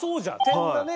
点がね